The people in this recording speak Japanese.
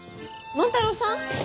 万太郎さん！？